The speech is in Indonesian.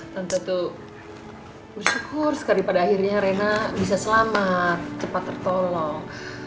tentu tuh bersyukur sekali pada akhirnya rena bisa selamat cepat tertolong